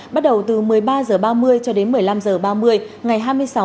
bắt đầu từ một mươi ba h ba mươi cho đến một mươi năm h ba mươi ngày hai mươi sáu tháng